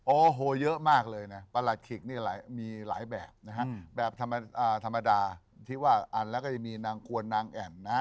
โอ้โฮเยอะมากเลยนะประหลักศิกษ์มีหลายแบบนะครับ